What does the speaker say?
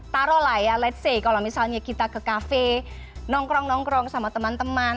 taruh lah ya let's say kalau misalnya kita ke cafe nongkrong nongkrong sama teman teman